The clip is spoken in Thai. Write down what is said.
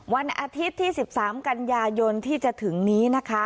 วันอาทิตย์ที่๑๓กันยายนที่จะถึงนี้นะคะ